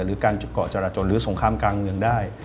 หรือการจุดเกาะจราจนหรือสงครามกลางเมืองได้